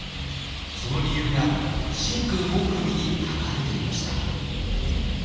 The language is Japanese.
その理由が「神君御文」に書かれていました。